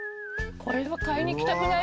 これは買いに行きたくなる。